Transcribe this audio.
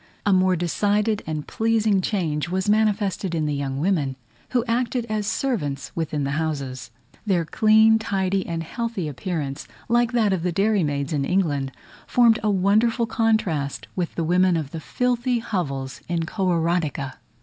A more decided and pleasing change was manifested in the young women, who acted as servants within the houses. Their clean, tidy, and healthy appearance, like that of the dairy maids in England, formed a wonderful contrast with the women of the filthy hovels in Kororadika.